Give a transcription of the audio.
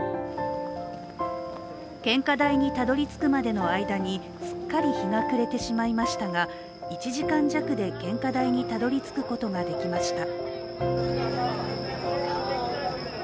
献花台にたどり着くまでの間にすっかり日が暮れてしまいましたが１時間弱で献花台にたどり着くことができました。